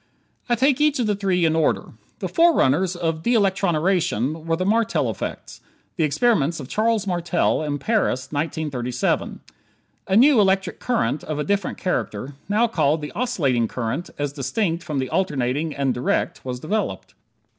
I take each of the three in order. The forerunners of de electroniration were the Martel effects the experiments of Charles Martel, in Paris, in 1937. A new electric current, of a different character now called the oscillating current as distinct from the alternating and direct was developed.